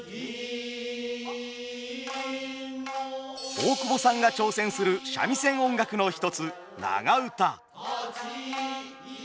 大久保さんが挑戦する三味線音楽の一つ「長唄」。